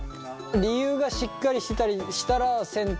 理由がしっかりしてたりしたらせん